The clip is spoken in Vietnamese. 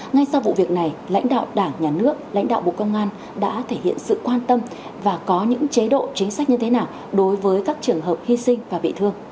ngay sau vụ việc này lãnh đạo đảng nhà nước lãnh đạo bộ công an đã thể hiện sự quan tâm và có những chế độ chính sách như thế nào đối với các trường hợp hy sinh và bị thương